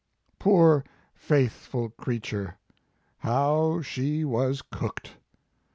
Poor faithful creature, how she was cooked